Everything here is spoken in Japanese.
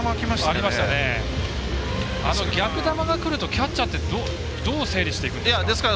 あの逆球がくるとキャッチャーはどう整理していくんですか？